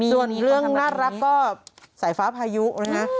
ส่วนเรื่องน่ารักก็สายฟ้าพายุนะฮะ